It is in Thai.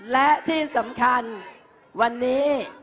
และที่สำคัญวันนี้